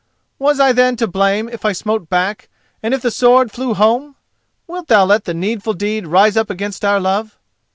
Was I, then, to blame if I smote back and if the sword flew home? Wilt thou let the needful deed rise up against our love?